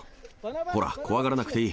ほら、怖がらなくていい。